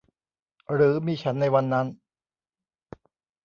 หรือมีฉันในวันนั้น